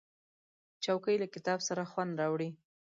چوکۍ له کتاب سره خوند راوړي.